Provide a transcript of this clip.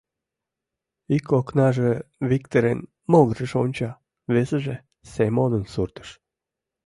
Ик окнаже Виктырын могырыш онча, весыже — Семонын суртыш.